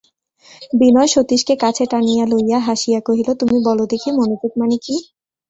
বিনয় সতীশকে কাছে টানিয়া লইয়া হাসিয়া কহিল, তুমি বলো দেখি মনোযোগ মানে কী?